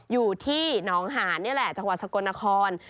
อยู่ที่หนองหานนี่แหละจังหวัดสกลนคร